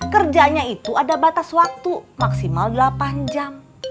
kerjanya itu ada batas waktu maksimal delapan jam